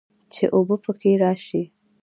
چې اوبۀ به پکښې راشي